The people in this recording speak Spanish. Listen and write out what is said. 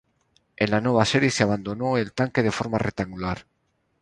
En la nueva serie se abandonó el tanque de forma rectangular.